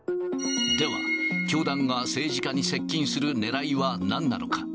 では、教団が政治家に接近するねらいはなんなのか。